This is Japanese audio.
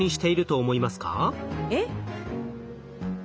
えっ？